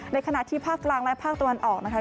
ในขณะที่ภาคกลางและภาคตะวันออกนะคะ